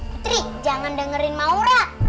putri jangan dengerin maura